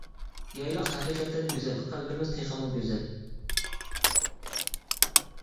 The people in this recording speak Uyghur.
يايلاق ھەقىقەتەن گۈزەل، قەلبىمىز تېخىمۇ گۈزەل.